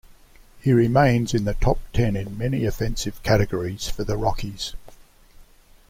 He remains in the top ten in many offensive categories for the Rockies.